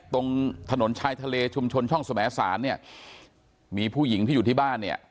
ตรงถนนชายทะเลชุมชนช่องสมสารเนี่ยมีผู้หญิงที่อยู่ที่บ้านเนี่ย